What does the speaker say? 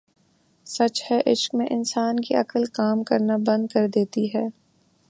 سچ ہے عشق میں انسان کی عقل کام کرنا بند کر دیتی ہے